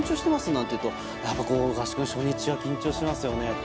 なんて言ったら、合宿の初日は緊張しますよねって。